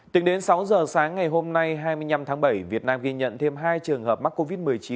tính đến sáu giờ sáng ngày hôm nay hai mươi năm tháng bảy việt nam ghi nhận thêm hai trường hợp mắc covid một mươi chín